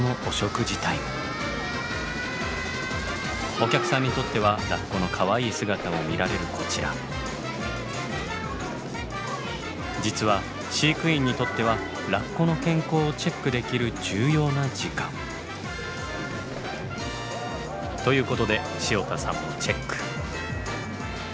お客さんにとってはラッコのかわいい姿を見られるこちら実は飼育員にとってはラッコの健康をチェックできる重要な時間。ということで潮田さんもチェック。